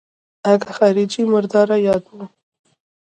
اگه خارجۍ مرداره يادوم.